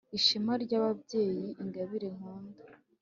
Ishema ry’ababyeyi Ingabire nkunda!